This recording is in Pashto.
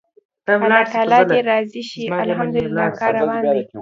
الله تعالی دې راضي شي، الحمدلله کار روان دی.